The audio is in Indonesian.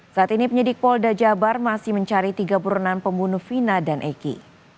saat ini penyidik polda jabar masih mencari tiga burunan pembunuh vina dan eki